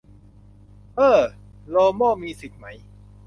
เอ้อ โลโม่มีสิทธิ์ไหม